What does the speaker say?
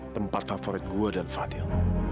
tempat favorit gua dan fadil